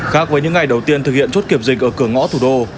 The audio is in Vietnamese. khác với những ngày đầu tiên thực hiện chốt kiểm dịch ở cửa ngõ thủ đô